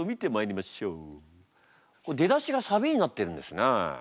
出だしがサビになってるんですね。